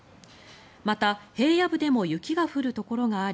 また、平野部でも雪が降るところがあり